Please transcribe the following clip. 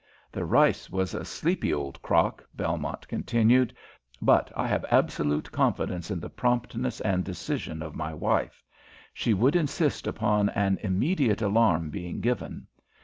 "The reis was a sleepy old crock," Belmont continued; "but I have absolute confidence in the promptness and decision of my wife. She would insist upon an immediate alarm being given.